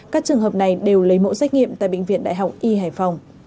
các trường hợp này đều lấy mẫu xét nghiệm tại bệnh viện đại học y hải phòng